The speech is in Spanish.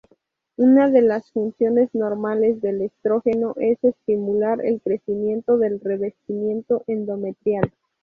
Una de las funciones normales del estrógeno es estimular el crecimiento del revestimiento endometrial.